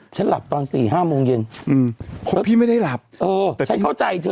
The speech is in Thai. ฉันหลับตอนสี่ห้าโมงเย็นอืมแล้วพี่ไม่ได้หลับเออแต่ฉันเข้าใจเธอ